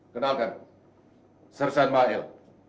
kenalkan sir sen mail